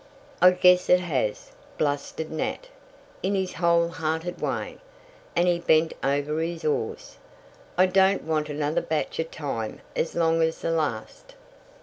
"I guess it has," blustered Nat, in his whole hearted way, and he bent over his oars. "I don't want another batch of time as long as the last."